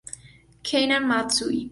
Kenya Matsui